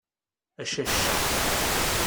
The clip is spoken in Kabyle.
A cacca!